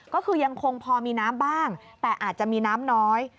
ก็คือยังคงพอมีน้ำบ้างแต่อาจจะมีน้ำน้อย